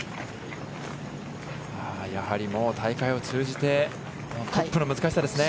やはりもう大会を通じてトップの難しさですね。